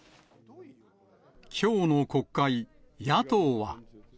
きょうの国会、野党は。